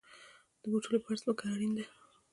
د بوټو لپاره ځمکه اړین ده